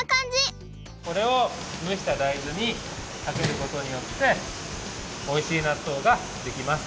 これをむした大豆にかけることによっておいしいなっとうができます。